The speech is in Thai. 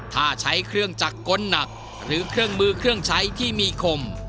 ถ้าใช้เครื่องจักรกลหนักหรือเครื่องมือเครื่องใช้ที่มีคม